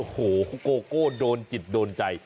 โหโกโก้ย์โดนจิตโน่นใจ